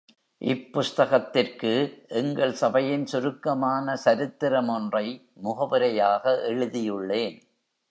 இப் புஸ்தகத்திற்கு எங்கள் சபையின் சுருக்கமான சரித்திர மொன்றை முகவுரையாக எழுதியுள்ளேன்.